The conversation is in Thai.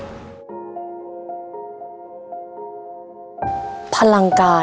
ผมรักพ่อกับแม่บ้างครับ